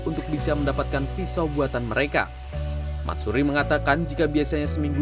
untuk bisa mendapatkan pisau buatan mereka matsuri mengatakan jika biasanya seminggu